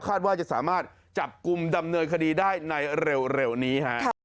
ว่าจะสามารถจับกลุ่มดำเนินคดีได้ในเร็วนี้ฮะ